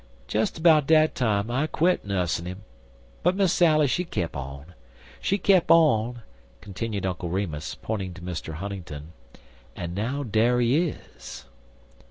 Des 'bout dat time I quit nuss'n 'im, but Miss Sally she kep' on. She kep' on," continued Uncle Remus, pointing to Mr. Huntingdon, "en now dar he is."